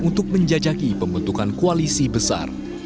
untuk menjajaki pembentukan koalisi besar